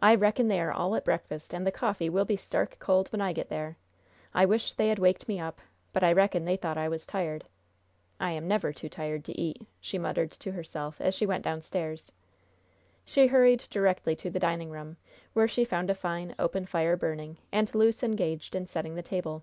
"I reckon they are all at breakfast, and the coffee will be stark cold when I get there. I wish they had waked me up, but I reckon they thought I was tired. I am never too tired to eat," she muttered to herself as she went downstairs. She hurried directly to the dining room, where she found a fine, open fire burning, and Luce engaged in setting the table.